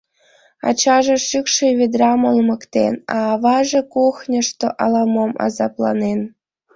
Ачаже шӱкшӧ ведрам олмыктен, а аваже кухньышто ала-мом азапланен.